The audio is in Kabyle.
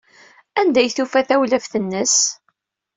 Anda ay tufa tawlaft-nnes?